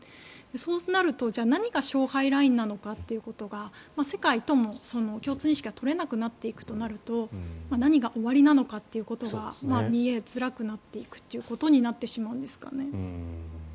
そうなると何が勝敗ラインなのかというのが世界とも共通認識が取れなくなっていくとなると何が終わりなのかってことが見えづらくなってしまうってことになってしまうんですかね。